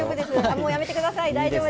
もうやめてください。